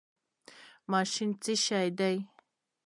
ماشین څه شی دی؟